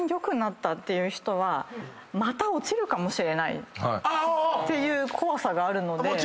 また落ちるかもしれないっていう怖さがあるので。